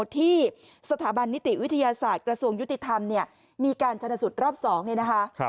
ที่สถาบันนิติวิทยาศาสตร์กระทรวงยุติธรรมเนี่ยมีการชนะสูตรรอบ๒เนี่ยนะคะ